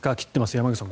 山口さん